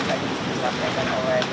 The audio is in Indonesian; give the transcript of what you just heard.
bagi ustaz nekan oleh